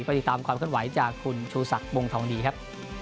ติดตามความเคลื่อนไหวจากคุณชูศักดิ์วงทองดีครับ